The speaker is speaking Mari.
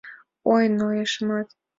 Ой, нойышымат...